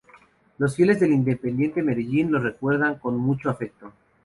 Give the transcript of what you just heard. Los fieles del Independiente Medellín lo recuerdan con mucho afecto.